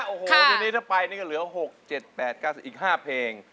โอ้โหทีนี้ถ้าไปนี่ก็เหลือ๖๗๘๙๐อีก๕เพลง